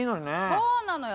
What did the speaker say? そうなのよ！